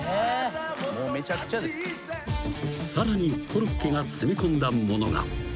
［さらにコロッケが詰め込んだものが］